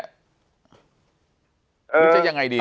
จะยังไงดี